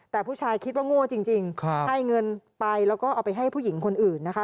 แต่ผู้ชายคิดว่าโง่จริงให้เงินไปแล้วก็เอาไปให้ผู้หญิงคนอื่นนะคะ